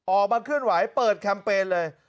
ออกมาเคลื่อนไหวเปิดแคมเปญเลย